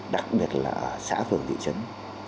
đặc biệt là xã phường thị trấn